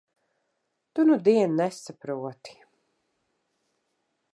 Tu nudien nesaproti.